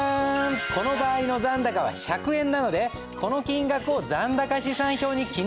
この場合の残高は１００円なのでこの金額を残高試算表に記入します。